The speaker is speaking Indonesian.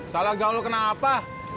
salah gaul lo kenapa